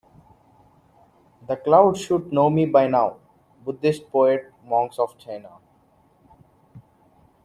"The clouds should know me by now: Buddhist poet monks of China.